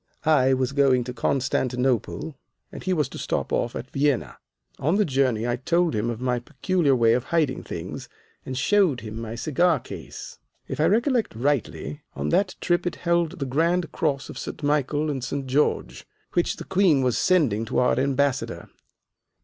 I was going to Constantinople and he was to stop off at Vienna. On the journey I told him of my peculiar way of hiding things and showed him my cigar case. If I recollect rightly, on that trip it held the grand cross of St. Michael and St. George, which the Queen was sending to our Ambassador.